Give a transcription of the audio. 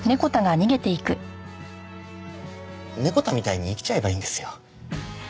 ネコ太みたいに生きちゃえばいいんですよ。